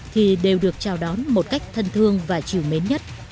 thì đều được chào đón một cách thân thương và chiều mến nhất